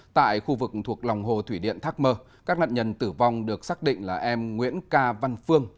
tại khu vực thuộc lòng hồ thủy điện thác mơ các nạn nhân tử vong được xác định là em nguyễn ca văn phương